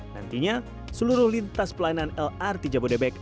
nantinya seluruh lintas pelayanan lrt jabodebek